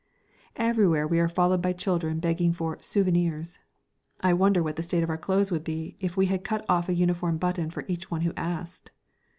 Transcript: Everywhere we are followed by children begging for "souvenirs." I wonder what the state of our clothes would be had we cut off a uniform button for each one who asked!